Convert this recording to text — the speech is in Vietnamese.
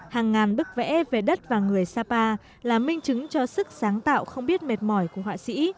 hàng ngàn bức vẽ về đất và người sapa là minh chứng cho sức sáng tạo không biết mệt mỏi của họa sĩ